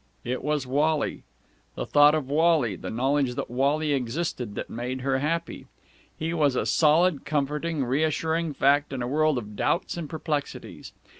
It was Wally, the thought of Wally, the knowledge that Wally existed, that made her happy. He was a solid, comforting, reassuring fact in a world of doubts and perplexities.